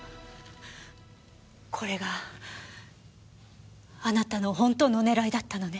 これがあなたの本当の狙いだったのね？